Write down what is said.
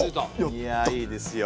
いやいいですよ。